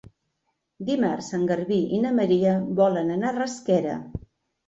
Dimarts en Garbí i na Maria volen anar a Rasquera.